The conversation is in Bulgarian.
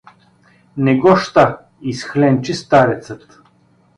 — Не го ща… — изхленчи старецът.